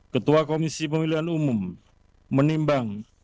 ketua komisi pemilihan umum menimbang